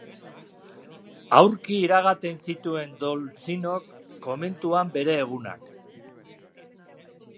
Aurki iragaten zituen Dolcinok komentuan bere egunak.